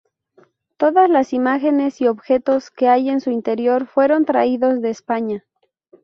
Todas las imágenes y objetos que hay en su interior fueron traídos de España.